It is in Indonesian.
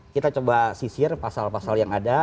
kita coba sisir pasal pasal yang ada